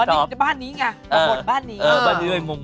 แมแหงแหรงเนี่ยแหละ